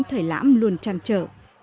thầy lãm luôn tràn trở